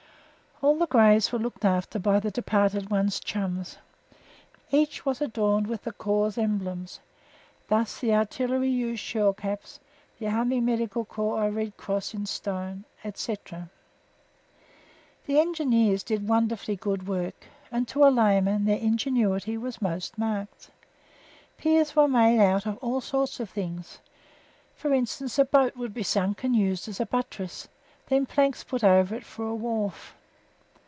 All the graves were looked after by the departed one's chums. Each was adorned with the Corps' emblems: thus the Artillery used shell caps, the Army Medical Corps a Red Cross in stone, etc. THE ENGINEERS The Engineers did wonderfully good work, and to a layman their ingenuity was most marked. Piers were made out of all sorts of things; for instance, a boat would be sunk and used as a buttress, then planks put over it for a wharf.